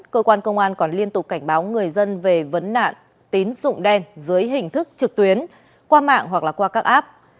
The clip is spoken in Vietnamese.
cơ quan công an còn liên tục cảnh báo người dân về vấn nạn tín dụng đen dưới hình thức trực tuyến qua mạng hoặc là qua các app